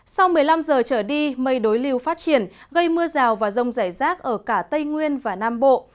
sau một mươi năm giờ trở đi mây đối lưu phát triển gây mưa rào và rông rải rác ở cả tây nguyên và nam bộ